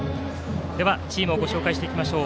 ではチームをご紹介しましょう。